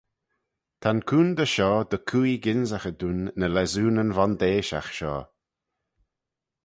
Ta'n coontey shoh dy cooie gynsaghey dooin ny lessoonyn vondeishagh shoh.